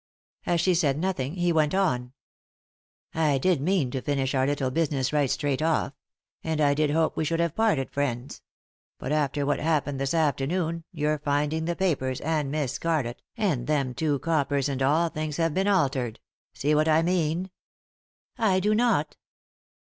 As she said nothing he went on : "I did mean to finish our little business right straight off; and I did hope we should have parted friends ; but after what happened this afternoon, your finding the papers, and Miss Scarlett, and them two coppers, and all, things have been altered— see what I mean ?"" I do not."